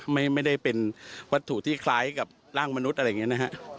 ไม่ได้เป็นวัตถุที่คล้ายกับร่างมนุษย์อะไรอย่างนี้นะฮะ